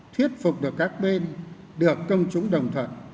thuyết phục được các bên được công chúng đồng thuận